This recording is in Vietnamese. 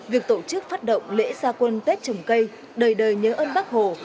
việc tổ chức phát động lễ gia quân tết trồng cây đời đời nhớ ơn bác hồ